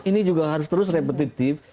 ini juga harus terus repetitif